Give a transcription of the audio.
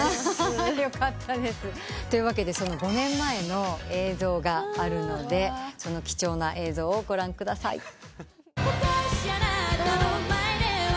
というわけで５年前の映像があるので貴重な映像をご覧ください。